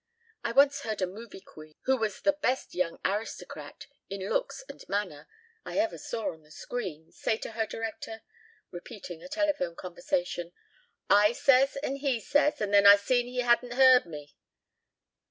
I once heard a movie queen, who was the best young aristocrat, in looks and manner, I ever saw on the screen, say to her director repeating a telephone conversation 'I says and he says and then I seen he hadn't heard me.'"